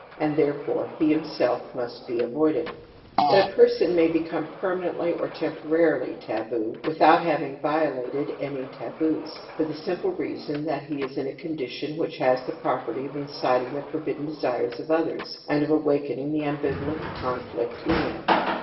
and. there fore he himselfmust be avoided. ^ luta person may become permanently or temporarily taboo without having violated any taboos, for the simple reason that he is in a con dition which has the property of inciting the forbidden desires of others and of awakening the ambivalent conflict in them.